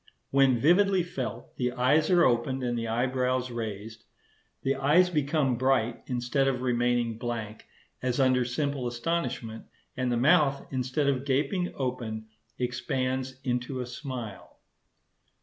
When vividly felt, the eyes are opened and the eyebrows raised; the eyes become bright, instead of remaining blank, as under simple astonishment; and the mouth, instead of gaping open, expands into a smile.